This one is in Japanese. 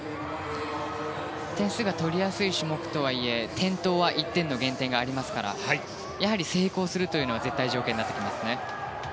点数が取りやすい種目とはいえ転倒は１点の減点がありますからやはり成功するというのは絶対条件になってきますね。